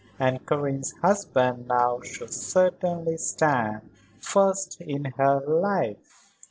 And Karen's husband, now, should certainly stand first in her life."